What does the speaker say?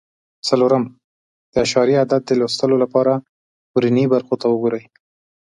څلورم: د اعشاري عدد د لوستلو لپاره ورنیي برخو ته وګورئ.